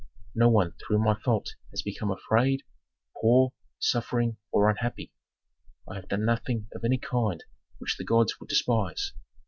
No one through my fault has become afraid, poor, suffering, or unhappy. I have done nothing of any kind which the gods would despise.